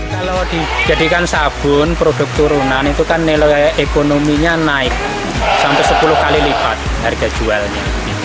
kalau dijadikan sabun produk turunan itu kan nilai ekonominya naik sampai sepuluh kali lipat harga jualnya